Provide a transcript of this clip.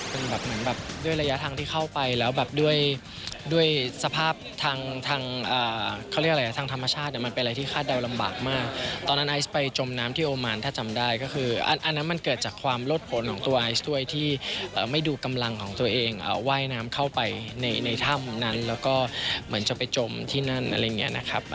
เป็นแบบเหมือนแบบด้วยระยะทางที่เข้าไปแล้วแบบด้วยด้วยสภาพทางทางเขาเรียกอะไรทางธรรมชาติมันเป็นอะไรที่คาดเดาลำบากมากตอนนั้นไอซ์ไปจมน้ำที่โอมานถ้าจำได้ก็คืออันนั้นมันเกิดจากความลดผลของตัวไอซ์ด้วยที่ไม่ดูกำลังของตัวเองว่ายน้ำเข้าไปในถ้ำนั้นแล้วก็เหมือนจะไปจมที่นั่นอะไรอย่างนี้นะครับ